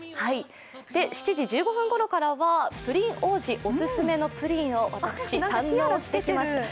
７時１５分ごろからはプリン王子お勧めのプリンを私、堪能してきました。